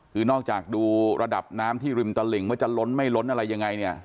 คือนอกจากดูระดับน้ำที่ริมตลิ่งว่าจะล้นไม่ล้นอะไรยังไงเนี่ย